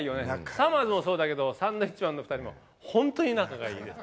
さまぁずもそうだけどサンドウィッチマンの２人もホントに仲がいいです。